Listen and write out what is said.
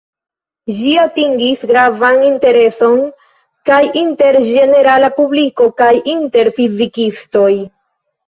Ĝi atingis gravan intereson kaj inter ĝenerala publiko, kaj inter fizikistoj.